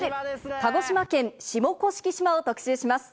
鹿児島県下甑島を特集します。